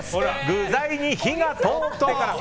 具材に火が通ってから。